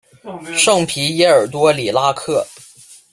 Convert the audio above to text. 圣皮耶尔多里拉克。